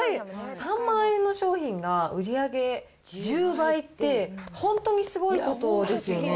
３万円の商品が売り上げ１０倍って、本当にすごいことですよね。